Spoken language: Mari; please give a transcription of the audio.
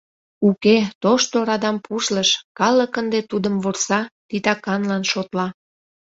Уке, тошто радам пужлыш, калык ынде тудым вурса, титаканлан шотла...